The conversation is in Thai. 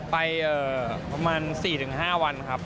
ไปประมาณ๔๕วันครับ